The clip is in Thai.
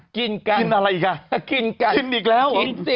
กินอีกแล้ว